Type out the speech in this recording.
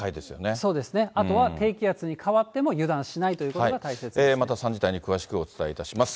そうですね、あとは低気圧に変わっても油断しないということまた３時台に詳しくお伝えいたします。